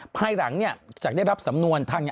ภายหลังจากได้รับสำนวนทาง